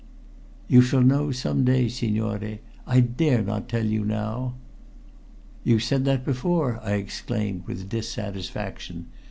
"You shall know some day, signore. I dare not tell you now." "You said that before," I exclaimed with dissatisfaction.